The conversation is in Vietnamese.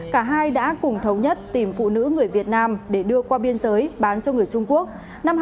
cả hai đã cùng thống nhất tìm phụ nữ người việt nam để đưa qua biên giới bán cho người trung quốc